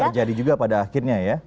terjadi juga pada akhirnya ya